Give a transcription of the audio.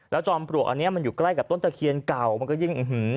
จอมปลวกอันนี้มันอยู่ใกล้กับต้นตะเคียนเก่ามันก็ยิ่งอื้อหือ